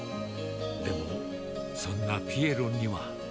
でも、そんなピエロには。